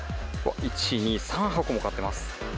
１、２、３箱も買ってます。